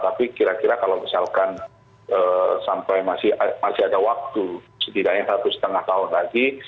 tapi kira kira kalau misalkan sampai masih ada waktu setidaknya satu setengah tahun lagi